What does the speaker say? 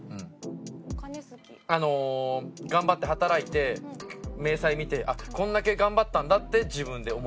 頑張って働いて明細見てあっこんだけ頑張ったんだって自分で思える。